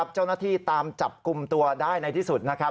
เจ้าหน้าที่ตามจับกลุ่มตัวได้ในที่สุด